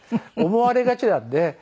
思われがちなので。